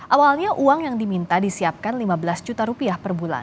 awalnya uang yang diminta disiapkan lima belas juta rupiah per bulan